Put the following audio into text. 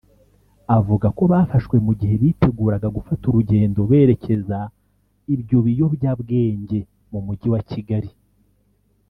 avuga ko bafashwe mugihe biteguraga gufata urugendo berekeza ibyo biyobwabwenge mu mujyi wa Kigali